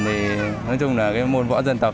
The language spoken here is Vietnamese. thì nói chung là cái môn võ dân tộc